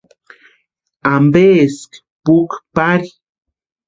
¿Ampeski puki pari?